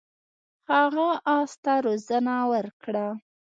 هغه اس ته روزنه ورکړه.